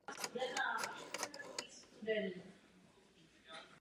Do reverzní domény se v principu dají zapsat téměř libovolná jména.